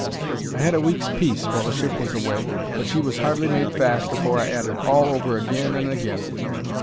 I had a week's peace while the ship was away, but she was hardly made fast afore I 'ad it all over agin and agin.